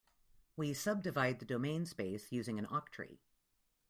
We subdivide the domain space using an octree.